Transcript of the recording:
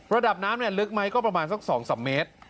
ระดับน้ำลึกไหมก็ประมาณสัก๒๓เมตร